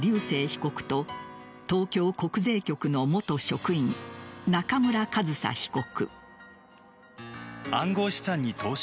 被告と東京国税局の元職員中村上総被告。